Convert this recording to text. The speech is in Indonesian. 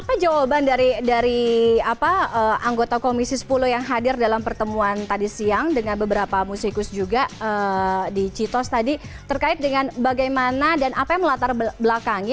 apa jawaban dari anggota komisi sepuluh yang hadir dalam pertemuan tadi siang dengan beberapa musikus juga di citos tadi terkait dengan bagaimana dan apa yang melatar belakangi